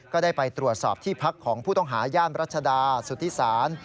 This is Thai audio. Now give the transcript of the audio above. ก็ได้ไปตรวจสอบที่พักของผู้ต้องหาย่านรัชดาสุธิศาล